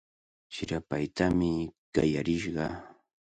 Chirapaytami qallarishqa.